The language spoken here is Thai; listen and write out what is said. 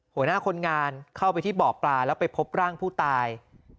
หัวหน้าคนงานเข้าไปที่บ่อปลาแล้วไปพบร่างผู้ตาย